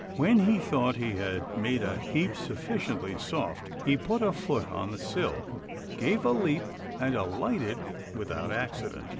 When he thought he had made a heap sufficiently soft, he put a foot on the sill, gave a leap, and alighted without accident.